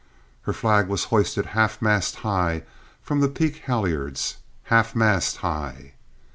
Her flag was hoisted half mast high from the peak halliards. Half mast high!